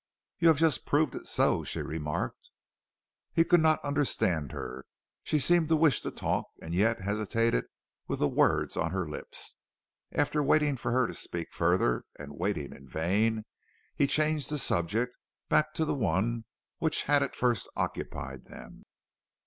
"You have just proved it so," she remarked. He could not understand her; she seemed to wish to talk and yet hesitated with the words on her lips. After waiting for her to speak further and waiting in vain, he changed the subject back to the one which had at first occupied them.